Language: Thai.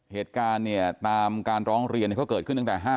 เหตุการณ์เนี่ยตามการร้องเรียนเขาเกิดขึ้นศิลป์๕สิงหา